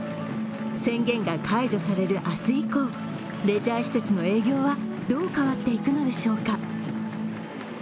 宣言が解除される明日以降、レジャー施設の営業はどう変わっていくのでしょうか。